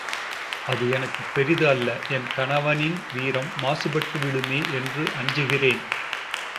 அது எனக்குப் பெரிது அல்ல என் கணவனின் வீரம் மாசுபட்டுவிடுமே என்று அஞ்சுகிறேன்.